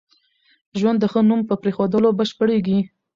ژوند د ښه نوم په پرېښوولو بشپړېږي.